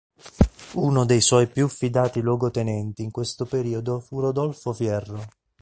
Uno dei suoi più fidati luogotenenti in questo periodo fu Rodolfo Fierro.